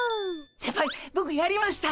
先輩ボクやりました！